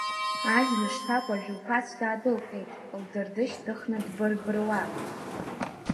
Аџьныш-ҭакәажә лқәацә даадәылҟьеит, лдырды шьҭыхны дбыр-быруа.